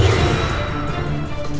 jangan pak landung